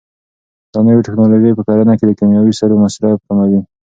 دا نوې ټیکنالوژي په کرنه کې د کیمیاوي سرو مصرف کموي.